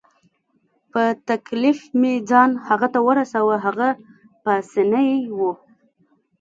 په تکلیف مې ځان هغه ته ورساوه، هغه پاسیني وو.